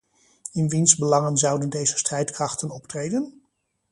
In wiens belangen zouden deze strijdkrachten optreden?